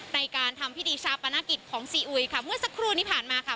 ในการทำพิธีชาวประนักกิจของซีอุยเมื่อสักครู่นี้ผ่านมา